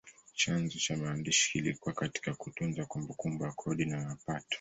Chanzo cha maandishi kilikuwa katika kutunza kumbukumbu ya kodi na mapato.